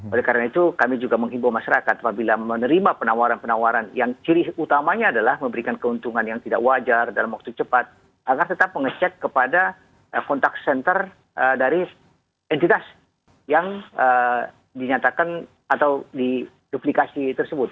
oleh karena itu kami juga menghibur masyarakat apabila menerima penawaran penawaran yang ciri utamanya adalah memberikan keuntungan yang tidak wajar dalam waktu cepat agar tetap mengecek kepada kontak senter dari entitas yang dinyatakan atau di duplikasi tersebut